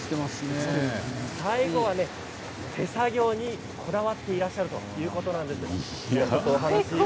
最後は手作業にこだわっていらっしゃるということなんです。